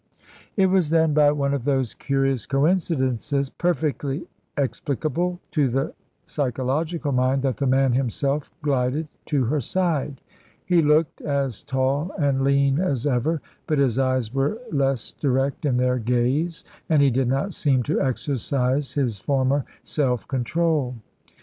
It was, then, by one of those curious coincidences perfectly explicable to the psychological mind, that the man himself glided to her side. He looked as tall and lean as ever, but his eyes were less direct in their gaze, and he did not seem to exercise his former self control.